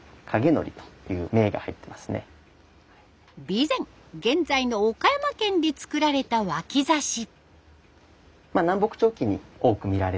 備前現在の岡山県で作られた脇差し。